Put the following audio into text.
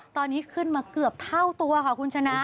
ตอนนี้ขึ้นมาเกือบเท่าตัวค่ะคุณชนะ